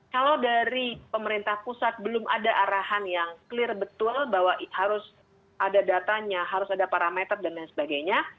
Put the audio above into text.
kalau dari pemerintah pusat belum ada arahan yang clear betul bahwa harus ada datanya harus ada parameter dan lain sebagainya